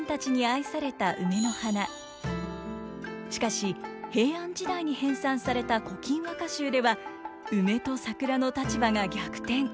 しかし平安時代に編纂された「古今和歌集」では梅と桜の立場が逆転。